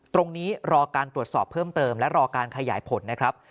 รอการตรวจสอบเพิ่มเติมและรอการขยายผลนะครับ